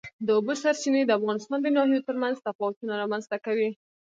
د اوبو سرچینې د افغانستان د ناحیو ترمنځ تفاوتونه رامنځ ته کوي.